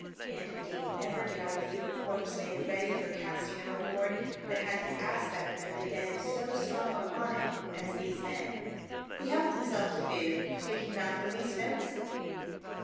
And, indeed, never did I view a corpse made ready for casting overboard that had the aspect of the dead so strong upon it as these men. He helped himself to food, taking; not the least notice of me.